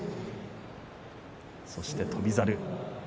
そして翔猿。